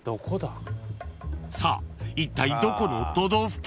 ［さあいったいどこの都道府県？］